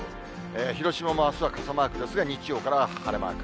広島もあすは傘マークですが、日曜からは晴れマーク。